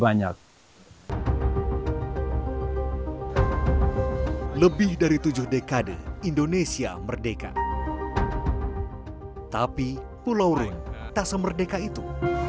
banyak lebih dari tujuh dekade indonesia merdeka tapi pulau rin tak semerdeka itu